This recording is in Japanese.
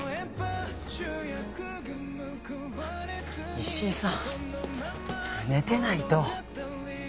石井さん寝てないと。